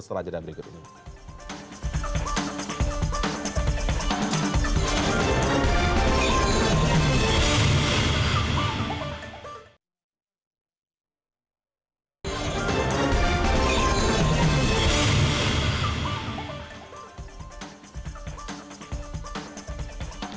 setelah jadwal berikut ini